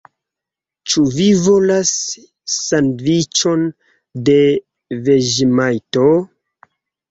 Ĉu vi volas sandviĉon de veĝemajto?